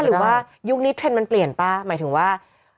หรือว่ายุคนี้เทรนด์มันเปลี่ยนป่ะหมายถึงว่า